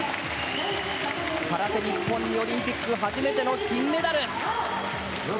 空手日本にオリンピック初めての金メダル！